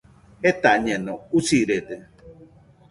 Jetañeno, usirede